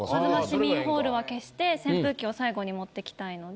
「市民ホール」は消して扇風機を最後に持ってきたいので。